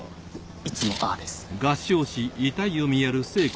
いつもああです。